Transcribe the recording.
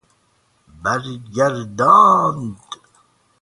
برگرداند